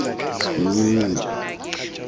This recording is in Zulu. Qhathanisa okushiwo nguwe nokushiwo ngumngane wakho.